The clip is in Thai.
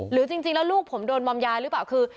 หรือจริงแล้วลูกผมโดนมอมยาหรือเปล่าคือ